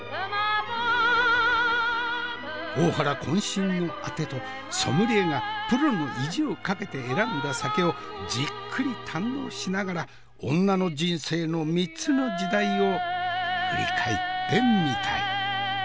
大原渾身のあてとソムリエがプロの意地をかけて選んだ酒をじっくり堪能しながら「おんなの人生」の３つの時代を振り返ってみたい。